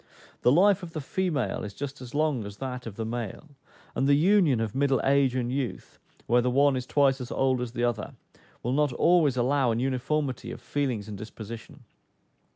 The life of the female is just as long as that of the male; and the union of middle age and youth, where the one is twice as old as the other, will not always allow an uniformity of feelings and disposition.